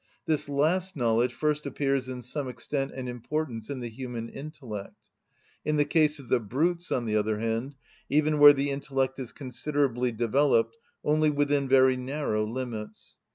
This last knowledge first appears in some extent and importance in the human intellect; in the case of the brutes, on the other hand, even where the intellect is considerably developed, only within very narrow limits.